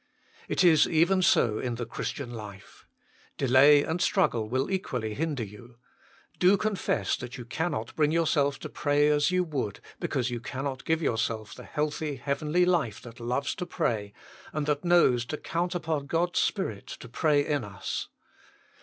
It is even so in the Christian life. Delay WILT THOU BE MADE WHOLE ? 101 and struggle will equally hinder you ; do confess that you cannot bring yourself to pray as you would, because you cannot give yourself the healthy, heavenly life that loves to pray, and that knows to count upon God s Spirit to pray in us.